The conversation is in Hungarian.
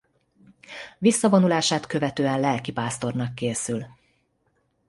Visszavonulását követően lelkipásztornak készül.